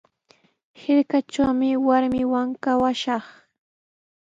Hirkatrawmi warmiiwan kawashaq.